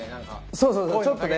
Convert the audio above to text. そうそうそうちょっとね。